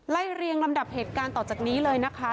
เรียงลำดับเหตุการณ์ต่อจากนี้เลยนะคะ